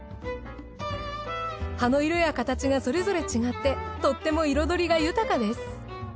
葉の色や形がそれぞれ違ってとっても彩りが豊かです。